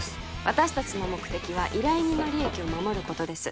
私達の目的は依頼人の利益を守ることです